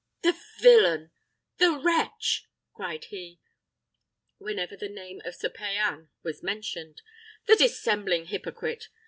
"The villain! the wretch!" cried he, whenever the name of Sir Payan was mentioned; "the dissembling hypocrite!